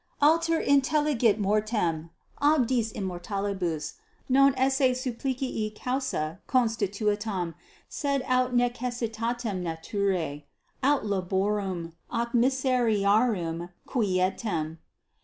Alter intellegit mortem ab dis immortalibus non esse supplicii causa constitutam, sed aut necessitatem naturae aut laborum ac miseriarum quietem.